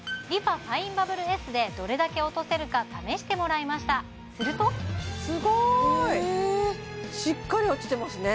ファインバブルＳでどれだけ落とせるか試してもらいましたするとすごいしっかり落ちてますね